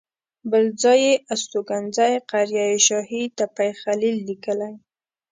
بل ځای یې استوګنځی قریه شاهي تپه خلیل لیکلی.